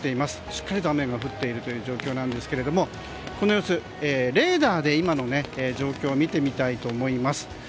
しっかりと雨が降っているという状況ですがこの様子、レーダーで今の状況を見てみたいと思います。